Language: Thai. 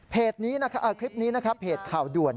เพจนี้นะครับคลิปนี้นะครับเพจข่าวด่วน